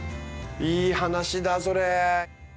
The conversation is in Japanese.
いい話だそれ。